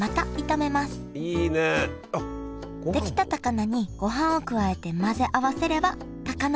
出来た高菜にごはんを加えて混ぜ合わせればたかな